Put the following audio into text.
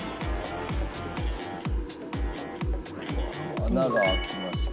穴が開きました。